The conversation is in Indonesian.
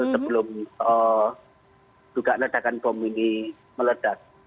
sebelum dugaan ledakan bom ini meledak